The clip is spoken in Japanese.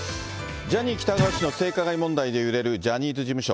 ジャニー喜多川氏の性加害問題で揺れるジャニーズ事務所。